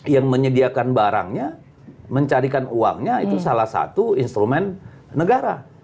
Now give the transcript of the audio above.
yang menyediakan barangnya mencarikan uangnya itu salah satu instrumen negara